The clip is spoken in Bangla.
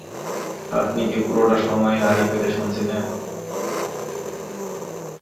আপনি কি পুরোটা সময়েই আড়ি পেতে শুনছিলেন?